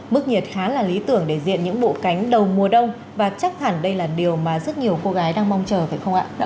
mức nhiệt khá là lý tưởng để diện những bộ cánh đầu mùa đông và chắc hẳn đây là điều mà rất nhiều cô gái đang mong chờ phải không ạ